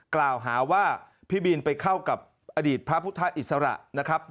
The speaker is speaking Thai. กล่าวหาว่าพี่บินไปเข้ากับอดีตพระพุทธอิสระนะครับ